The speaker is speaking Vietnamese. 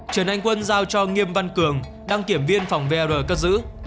trần anh quân giao cho nghiêm văn cường đăng kiểm viên phòng vr cất giữ